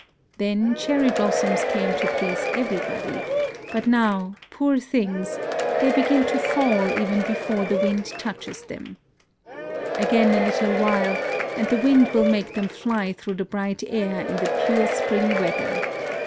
Then cherry blossoms came to please everybody ; but NOTES OF A TRIP TO KYOTO 11 now, poor things ! they begin to fall even be fore the wind touches them. Again a little while, and the wind will make them fly through the bright air in the pure spring weather.